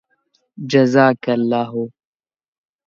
جزاك اللهُ